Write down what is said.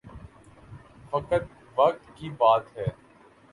فقط وقت کی بات ہے۔